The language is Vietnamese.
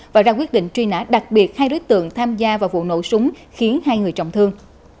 và ra quyết định truy nã đặc biệt hai đối tượng tham gia vào vụ nổ súng khiến hai người trọng thương